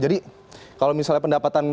jadi kalau misalnya pendapatan